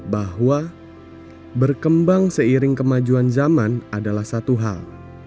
bahwa berkembang seiring kemajuan zaman adalah satu hal